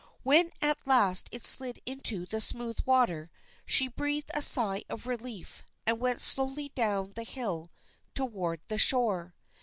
When at last it slid into smooth water she breathed a sigh of relief and went slowly down the hill toward the shore.